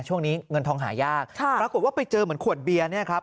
ช่วงนี้เงินทองหายากค่ะปรากฏว่าไปเจอเหมือนขวดเบียนี่ครับ